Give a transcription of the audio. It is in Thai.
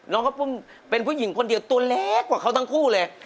ข้าวปุ้มเป็นผู้หญิงคนเดียวตัวเล็กกว่าเขาทั้งคู่เลย